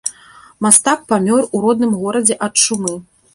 Мастак памёр у родным горадзе ад чумы.